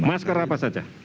masker apa saja